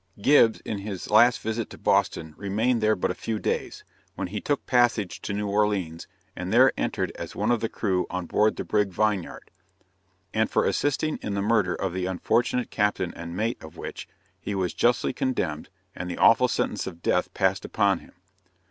_] Gibbs in his last visit to Boston remained there but a few days, when he took passage to New Orleans, and there entered as one of the crew on board the brig Vineyard; and for assisting in the murder of the unfortunate captain and mate of which, he was justly condemned, and the awful sentence of death passed upon him!